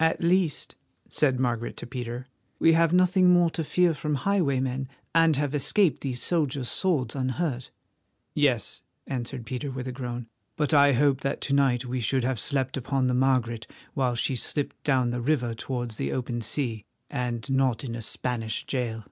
"At least," said Margaret to Peter, "we have nothing more to fear from highwaymen, and have escaped these soldiers' swords unhurt." "Yes," answered Peter with a groan, "but I hoped that to night we should have slept upon the Margaret while she slipped down the river towards the open sea, and not in a Spanish jail.